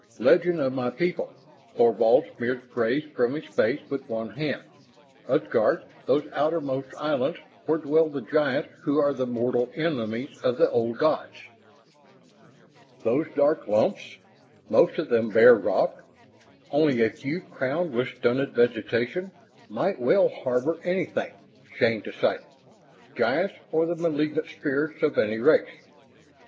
"Legend of my people." Thorvald smeared spray from his face with one hand. "Utgard, those outermost islands where dwell the giants who are the mortal enemies of the old gods." Those dark lumps, most of them bare rock, only a few crowned with stunted vegetation, might well harbor anything, Shann decided, giants or the malignant spirits of any race.